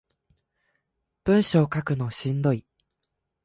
文章書くのしんどい